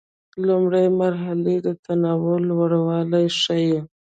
لومړۍ مرحلې د تنوع لوړوالی ښيي.